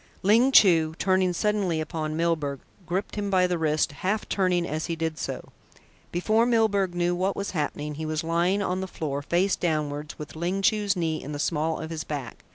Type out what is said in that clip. Ling Chu, turning suddenly upon Milburgh, gripped him by the wrist, half turning as he did so. Before Milburgh knew what was happening, he was lying on the floor, face downwards, with Ling Chu's knee in the small of his back.